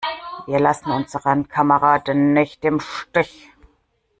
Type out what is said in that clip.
Wir lassen unsere Kameraden nicht im Stich!